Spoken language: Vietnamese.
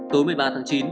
tối một mươi ba tháng chín